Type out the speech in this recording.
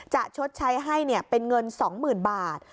ชดใช้ให้เป็นเงิน๒๐๐๐บาท